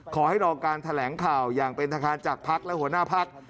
ขอให้รอการแถลงข่าวอย่างเป็นทางการจากพักและหัวหน้าพัก